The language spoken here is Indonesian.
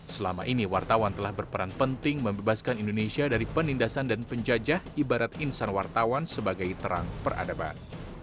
selama ini wartawan telah berperan penting membebaskan indonesia dari penindasan dan penjajah ibarat insan wartawan sebagai terang peradaban